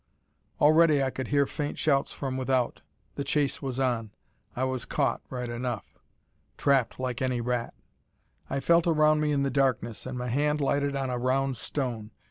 Already I could hear faint shouts from without. The chase was on. I was caught, right enough. Trapped like any rat. I felt around me in the darkness and my hand lighted on a round stone.